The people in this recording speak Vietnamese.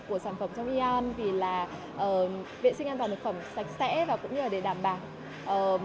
của sản phẩm trong yon vì là vệ sinh an toàn thực phẩm sạch sẽ và cũng như là để đảm bảo